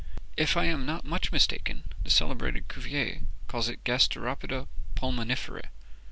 If I am not much mistaken, the celebrated Cuvier calls it gasteropeda pulmonifera.